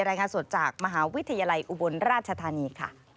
รายงานสดจากมหาวิทยาลัยอุบลราชธานีค่ะ